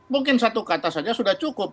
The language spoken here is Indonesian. mungkin satu kata saja sudah cukup